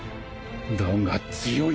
だが強い！